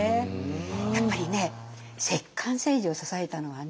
やっぱりね摂関政治を支えたのはね